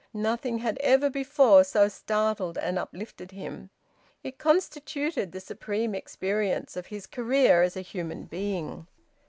Nothing had ever before so startled and uplifted him. It constituted the supreme experience of his career as a human being.